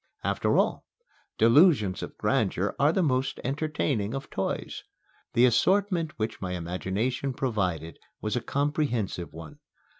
After all, delusions of grandeur are the most entertaining of toys. The assortment which my imagination provided was a comprehensive one.